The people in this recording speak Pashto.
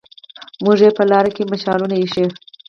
موږ يې په لار کې مشالونه ايښي